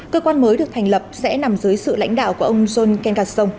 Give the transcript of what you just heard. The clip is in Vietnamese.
cơ quan mới được thành lập sẽ nằm dưới sự lãnh đạo của ông john kengasong